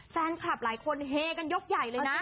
แฟนคลับหลายคนเฮกันยกใหญ่เลยนะ